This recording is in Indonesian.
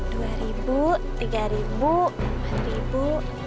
dua ribu tiga ribu empat ribu